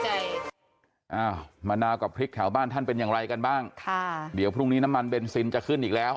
อ้าวมะนาวกับพริกแถวบ้านท่านเป็นอย่างไรกันบ้างค่ะเดี๋ยวพรุ่งนี้น้ำมันเบนซินจะขึ้นอีกแล้ว